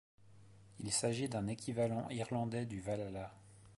Il s'agit d'un équivalent irlandais du Valhalla.